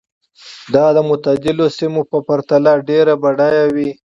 دا د معتدلو سیمو په پرتله ډېرې بډایه وې.